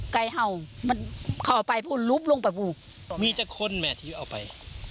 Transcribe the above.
ไก่เห่ามันเข้าไปพูดลุบลงไปปลูกมีแต่คนแม่ที่เอาไป